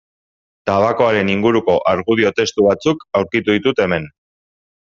Tabakoaren inguruko argudio testu batzuk aurkitu ditut hemen.